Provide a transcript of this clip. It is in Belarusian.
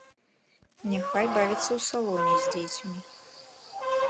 Няхай бавіцца ў салоне з дзецьмі.